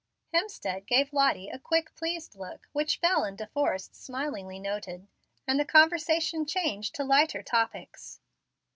Hemstead gave Lottie a quick, pleased look, which Bel and De Forrest smilingly noted, and the conversation changed to lighter topics.